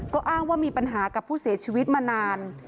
ก็อ้างว่ามีปัญหากับผู้เสียชีวิตมานาน